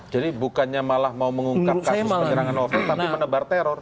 jadi bukannya malah mau mengungkap kasus penyerangan novel tapi menebar teror